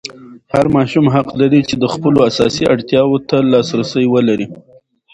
هر ماشوم حق لري چې د خپلو اساسي اړتیاوو ته لاسرسی ولري.